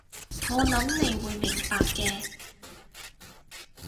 我諗你會明白嘅